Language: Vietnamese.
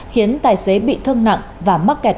khiến tài xế bị thương nặng và mắc kẹt